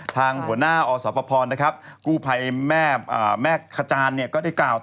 ทางหัวหน้าอสพพรกูภัยแม่ขจานก็ได้กล่าวต่อ